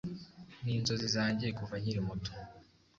Ninzozi zanjye kuva nkiri muto.